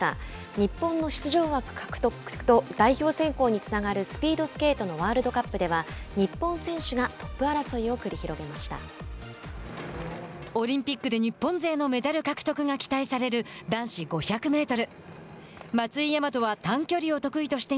日本の出場枠獲得と代表選考につながるスピードスケートのワールドカップでは日本選手がオリンピックで日本勢のメダル獲得が期待される男子５００メートル。